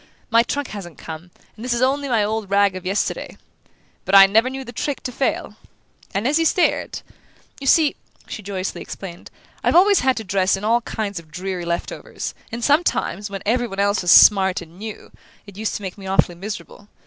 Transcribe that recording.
My trunk hasn't come, and this is only my old rag of yesterday but I never knew the trick to fail!" And, as he stared: "You see," she joyously explained, "I've always had to dress in all kinds of dreary left overs, and sometimes, when everybody else was smart and new, it used to make me awfully miserable.